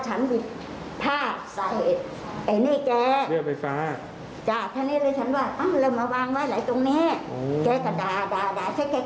ฉันก็ไม่คิดว่าเขาจะมาตีฉัน